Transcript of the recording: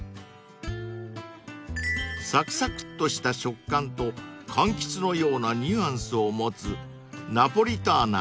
［サクサクッとした食感とかんきつのようなニュアンスを持つ］